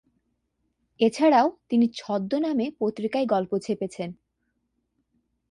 এছাড়াও তিনি ছদ্মনামে পত্রিকায় গল্প ছেপেছেন।